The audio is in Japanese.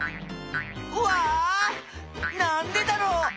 わあなんでだろう？